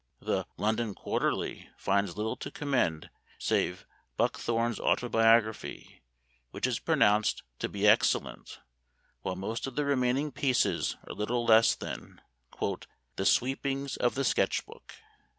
The " London Quarterly " finds little to commend save Buchthorne's autobiography, which is pronounced to be excellent, while most of the remaining pieces are little else than " the sweepings of the Sketch Book."